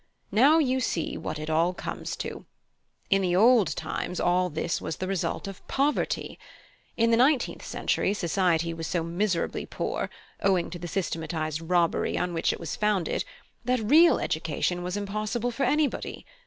Now you see what it all comes to. In the old times all this was the result of poverty. In the nineteenth century, society was so miserably poor, owing to the systematised robbery on which it was founded, that real education was impossible for anybody.